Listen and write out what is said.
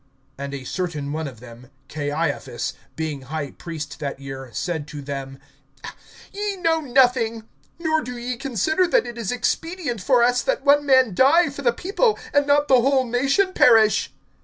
(49)And a certain one of them, Caiaphas, being high priest that year, said to them: Ye know nothing; (50)nor do ye consider that it is expedient for us, that one man die for the people, and not the whole nation perish.